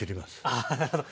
あなるほど。